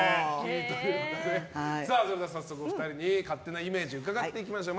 それでは早速お二人に勝手なイメージ伺っていきましょう。